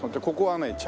ここはね